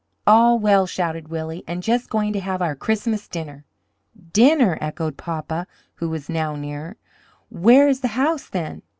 "All well!" shouted Willie, "and just going to have our Christmas dinner." "Dinner?" echoed papa, who was now nearer. "Where is the house, then?"